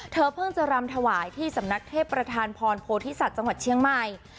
เธอเพิ่งจะรำถวายที่สำนักเทพประธานพรโพธิสัตว์จังหวัดเชียงใหม่